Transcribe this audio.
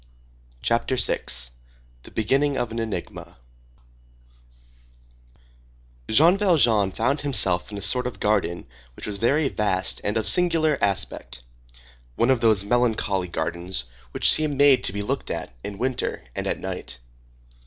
CHAPTER VI—THE BEGINNING OF AN ENIGMA Jean Valjean found himself in a sort of garden which was very vast and of singular aspect; one of those melancholy gardens which seem made to be looked at in winter and at night.